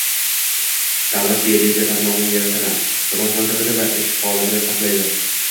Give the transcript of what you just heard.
davlat geodeziya tarmog'ini yaratadi, rivojlantiradi va ish holatida saqlaydi.